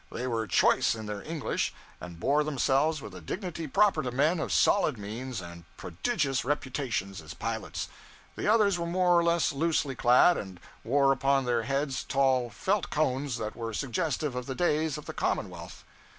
They were choice in their English, and bore themselves with a dignity proper to men of solid means and prodigious reputation as pilots. The others were more or less loosely clad, and wore upon their heads tall felt cones that were suggestive of the days of the Commonwealth.